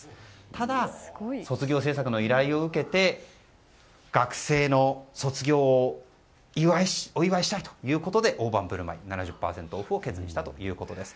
ただ、卒業制作の依頼を受けて学生の卒業をお祝いしたいということで大盤振る舞いで７０％オフを決定したということです。